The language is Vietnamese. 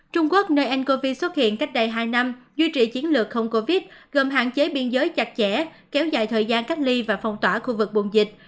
trung quốc nơi ncov xuất hiện cách đây hai năm duy trì chiến lược không covid gồm hạn chế biên giới chặt chẽ kéo dài thời gian cách ly và phong tỏa khu vực buồn dịch